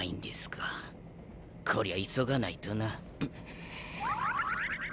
こりゃ急がないとな。